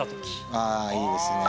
あぁいいですね。